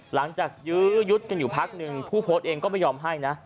ยื้อยุดกันอยู่พักหนึ่งผู้โพสต์เองก็ไม่ยอมให้นะ